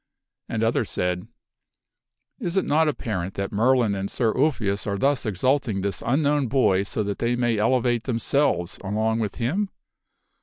are angry. ^^ others said, " Is it not apparent that Merlin and Sir Ulfius are thus exalting this unknown boy so that they may elevate them selves along with him?"